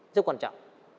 rất quan trọng